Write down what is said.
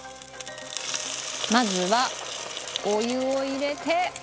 まずはお湯を入れて。